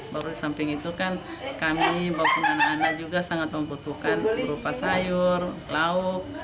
baru di samping itu kan kami maupun anak anak juga sangat membutuhkan berupa sayur lauk